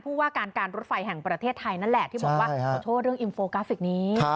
ว่าการการรถไฟแห่งประเทศไทยนั่นแหละที่บอกว่าขอโทษเรื่องอิมโฟกราฟิกนี้